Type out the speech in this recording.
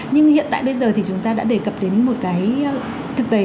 nhưng hiện tại bây giờ thì chúng ta đã đề cập đến một cái thực tế